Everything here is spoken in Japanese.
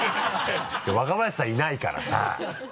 きょう若林さんいないからさ。